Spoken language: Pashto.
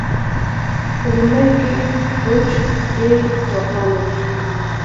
په لومړیو کې دوج ډېر ځواکمن و.